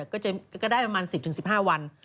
ก็ได้ประมาณ๑๐๑๕วัน